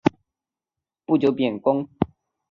不久贬官。